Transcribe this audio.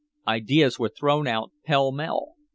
Ideas were thrown out pell mell.